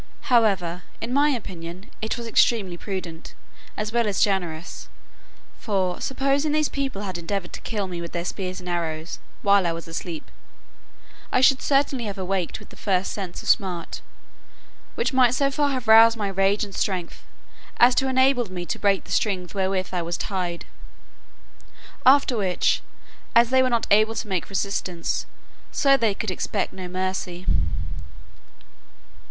However, in my opinion, it was extremely prudent, as well as generous: for, supposing these people had endeavoured to kill me with their spears and arrows, while I was asleep, I should certainly have awaked with the first sense of smart, which might so far have roused my rage and strength, as to have enabled me to break the strings wherewith I was tied; after which, as they were not able to make resistance, so they could expect no mercy.